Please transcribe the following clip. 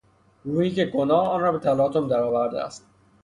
روحی که گناه آنرا به تلاطم در آورده است